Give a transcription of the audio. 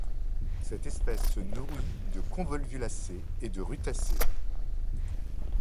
Cette espèce se nourrit de convolvulacées et de rutacées.